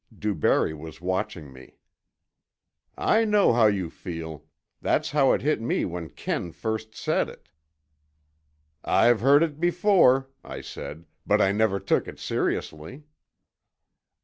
DuBarry was watching me. "I know how you feel. That's how it hit me when Ken first said it," "I've heard it before," I said. "But I never took it seriously."